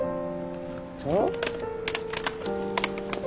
そう？